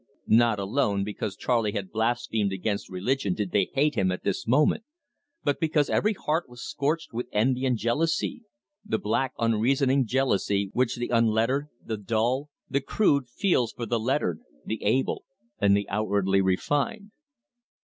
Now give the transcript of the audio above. Not alone because Charley had blasphemed against religion did they hate him at this moment, but because every heart was scorched with envy and jealousy the black unreasoning jealousy which the unlettered, the dull, the crude, feels for the lettered, the able and the outwardly refined.